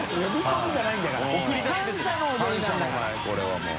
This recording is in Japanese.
これはもう。）